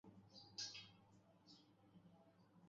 প্রতিটি লাইন গুরুত্বপূর্ণ।